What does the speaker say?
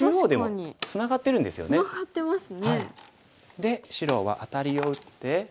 で白はアタリを打って。